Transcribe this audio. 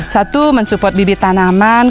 satu mensupport bibit tanaman